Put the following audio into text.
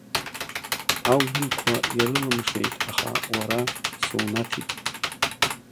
Аурымқәа ирылымшеит, аха уара сунаҭит!